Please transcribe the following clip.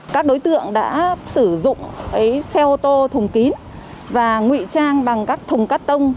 các đối tượng đã sử dụng xe ô tô thùng kín và ngụy trang bằng các thùng cắt tông